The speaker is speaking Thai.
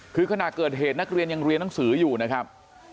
คือขณะเกิดเหตุนักเรียนยังเรียนหนังสืออยู่นะครับ